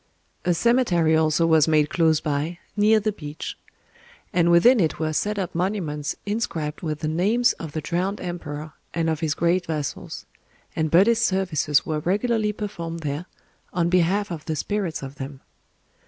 A cemetery also was made close by, near the beach; and within it were set up monuments inscribed with the names of the drowned emperor and of his great vassals; and Buddhist services were regularly performed there, on behalf of the spirits of them.